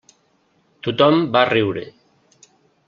Tothom va riure.